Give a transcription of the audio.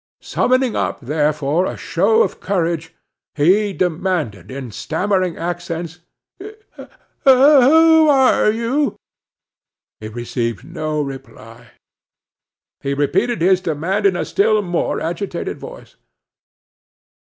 Summoning up, therefore, a show of courage, he demanded in stammering accents, "Who are you?" He received no reply. He repeated his demand in a still more agitated voice.